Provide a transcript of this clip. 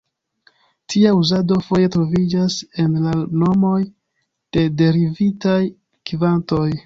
Tia uzado foje troviĝas en la nomoj de derivitaj kvantoj.